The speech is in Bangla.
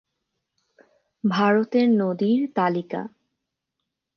ভারতের নদীর তালিকা